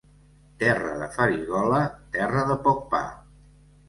Terra de farigola, terra de poc pa.